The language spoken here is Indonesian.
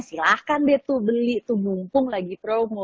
silahkan deh tuh beli tuh mumpung lagi promo